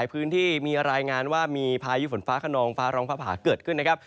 พื้นที่มีรายงานว่ามีพายุฝนฟ้าขนองฟ้าร้องฟ้าผ่าเกิดขึ้นนะครับ